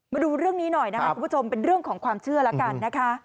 มาดูเรื่องนี้หน่อยนะครับคุณผู้ชมเป็นเรื่องของความเชื่อแล้วกันนะคะ